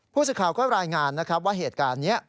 ผู้สื่อข่าวก็รายงานนะครับว่าเหตุการณ์นี้